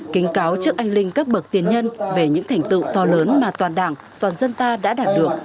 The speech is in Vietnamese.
kính cáo trước anh linh các bậc tiền nhân về những thành tựu to lớn mà toàn đảng toàn dân ta đã đạt được